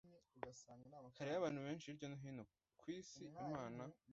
Hariho abantu benshi hirya no hino ku isi Imana